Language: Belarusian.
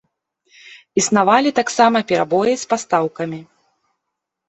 Існавалі таксама перабоі з пастаўкамі.